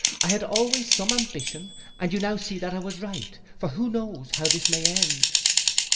I had always some ambition, and you now see that I was right; for who knows how this may end?